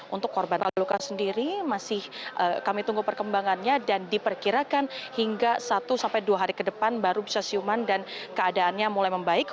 untuk korban lalu luka sendiri masih kami tunggu perkembangannya dan diperkirakan hingga satu sampai dua hari ke depan baru bisa siuman dan keadaannya mulai membaik